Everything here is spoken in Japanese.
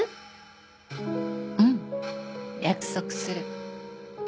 うん。約束する。